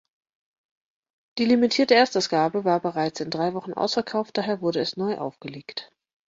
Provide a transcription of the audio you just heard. Die limitierte Erstausgabe war bereits in drei Wochen ausverkauft, daher wurde es neu aufgelegt.